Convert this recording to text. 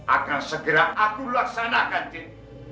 akan segera aku laksanakan tim